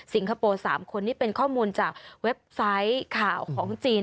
คโปร์๓คนนี่เป็นข้อมูลจากเว็บไซต์ข่าวของจีน